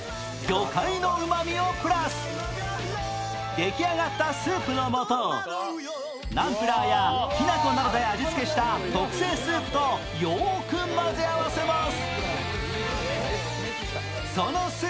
できあがったスープのもとをナンプラーやきな粉などで味付けした味付けした特製スープとよく混ぜ合わせます。